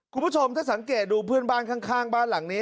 คุณผู้ชมถ้าสังเกตดูเพื่อนบ้านข้างบ้านหลังนี้